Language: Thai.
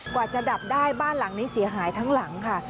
กว่าจะดับได้บ้านหลังนี้เสียหายทั้งหลังค่ะ